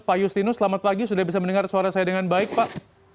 pak justinus selamat pagi sudah bisa mendengar suara saya dengan baik pak